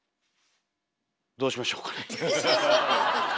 どうしましょうかね。